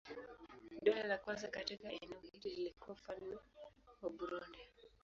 Dola la kwanza katika eneo hili lilikuwa Ufalme wa Burundi.